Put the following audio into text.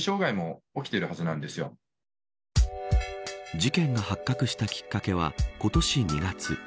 事件が発覚したきっかけは今年２月。